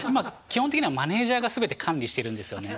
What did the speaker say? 基本的にはマネージャーが全て管理してるんですよね。